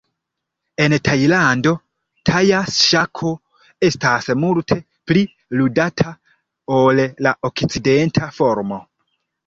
En Tajlando, taja ŝako estas multe pli ludata ol la okcidenta formo.